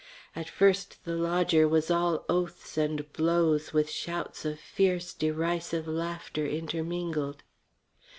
At first the lodger was all oaths and blows with shouts of fierce, derisive laughter intermingled.